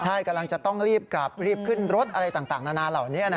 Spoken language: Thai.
ใช่กำลังจะต้องรีบกลับรีบขึ้นรถอะไรต่างนานาเหล่านี้